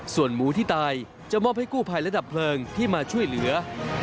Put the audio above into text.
ส่วนหมูที่ตายจะมอบให้กู้ภัยและดับเพลิงที่มาช่วยเหลือ